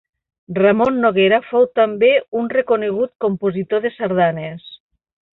Ramon Noguera fou també un reconegut compositor de sardanes.